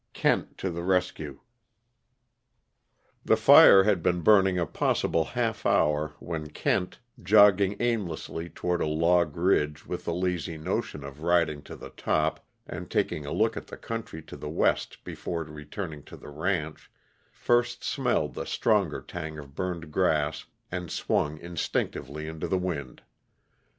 KENT TO THE RESCUE The fire had been burning a possible half hour when Kent, jogging aimlessly toward a log ridge with the lazy notion of riding to the top and taking a look at the country to the west before returning to the ranch, first smelled the stronger tang of burned grass and swung instinctively into the wind.